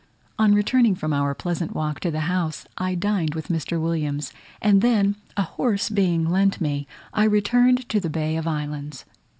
On returning from our pleasant walk to the house, I dined with Mr. Williams; and then, a horse being lent me, I returned to the Bay of Islands.